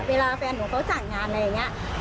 เวลาแฟนหนูเขาจัดงานอะไรอย่างนี้